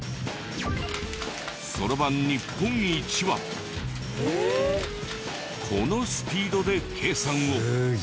そろばん日本一はこのスピードで計算を。